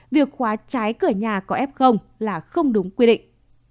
việc khóa trái cửa nhà có f là không đúng quy định